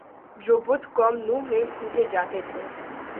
جو بت قوم نوح میں پوجے جاتے تھے